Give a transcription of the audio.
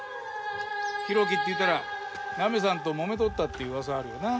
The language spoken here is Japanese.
浩喜っていったらナミさんともめとったって噂あるよな。